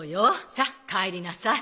さあ帰りなさい。